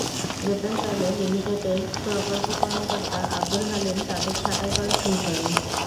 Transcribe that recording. বেতন চাইলে লিমিটেডের প্রকল্প কর্মকর্তা আবদুল হালিম তাঁদের ছাঁটাই করা শুরু করেন।